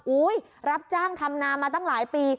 รับจ้างทำนามาตั้งหลายปี